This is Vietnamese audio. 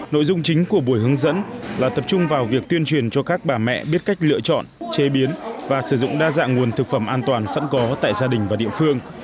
nội dung chính của buổi hướng dẫn là tập trung vào việc tuyên truyền cho các bà mẹ biết cách lựa chọn chế biến và sử dụng đa dạng nguồn thực phẩm an toàn sẵn có tại gia đình và địa phương